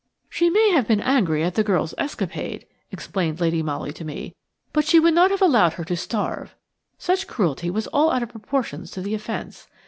"She may have been very angry at the girl's escapade," explained Lady Molly to me, "but she would not have allowed her to starve. Such cruelty was out of all proportion to the offence.